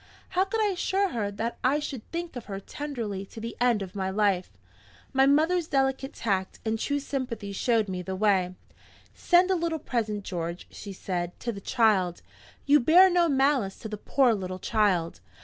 How could I assure her that I should think of her tenderly to the end of my life? My mother's delicate tact and true sympathy showed me the way. "Send a little present, George," she said, "to the child. You bear no malice to the poor little child?"